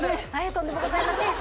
とんでもございません。